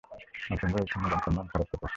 আর তোমরা এইখানে, বংশের নাম খারাপ করতেসো!